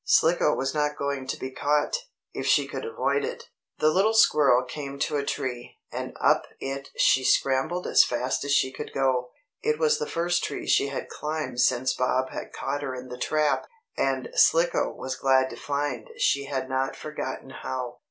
Slicko was not going to be caught, if she could avoid it. The little squirrel came to a tree, and up it she scrambled as fast as she could go. It was the first tree she had climbed since Bob had caught her in the trap, and Slicko was glad to find she had not forgotten how.